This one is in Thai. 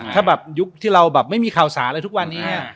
ถ้าแบบยุคที่เราแบบไม่มีข่าวสารอะไรทุกวันนี้